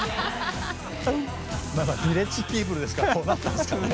ヴィレッジ・ピープルですからこうなったんですかね。ね。